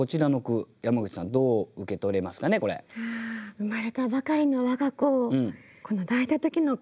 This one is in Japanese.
生まれたばかりの我が子を抱いた時の感動。